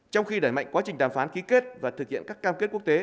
trong khi đẩy mạnh quá trình đàm phán ký kết và thực hiện các cam kết quốc tế